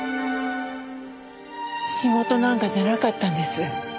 仕事なんかじゃなかったんです